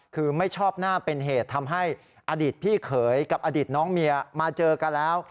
คือไม่ชอบหน้าเป็นเหตุทำให้อดีตพี่เขยกับอดีตน้องเมียมาเจอกันแล้ว